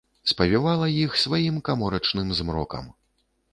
Спавівала іх сваім каморачным змрокам.